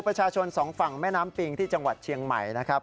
ประชาชนสองฝั่งแม่น้ำปิงที่จังหวัดเชียงใหม่นะครับ